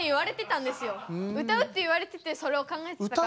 「歌う」って言われててそれを考えてたから。